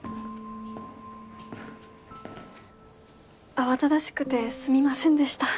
慌ただしくてすみませんでした。